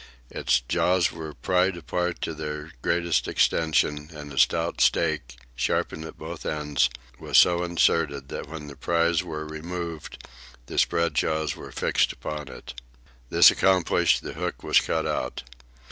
Its jaws were pried apart to their greatest extension, and a stout stake, sharpened at both ends, was so inserted that when the pries were removed the spread jaws were fixed upon it. This accomplished, the hook was cut out.